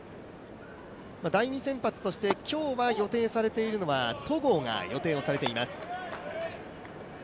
第２先発として、今日は予定されているのは戸郷が予定をされています。